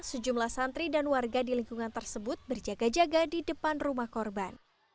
sejumlah santri dan warga di lingkungan tersebut berjaga jaga di depan rumah korban